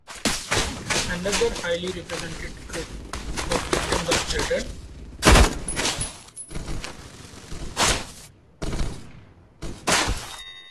Another highly represented group of victims are children.